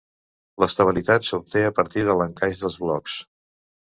L'estabilitat s'obté a partir de l'encaix dels blocs.